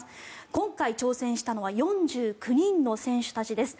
今回挑戦したのは４９人の選手たちです。